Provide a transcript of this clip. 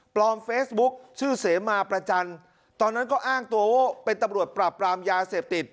เฟซบุ๊คชื่อเสมาประจันทร์ตอนนั้นก็อ้างตัวว่าเป็นตำรวจปราบปรามยาเสพติด